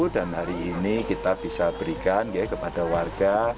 dan hari ini kita bisa berikan kepada warga